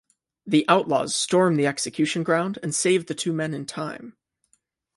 The outlaws storm the execution ground and save the two men in time.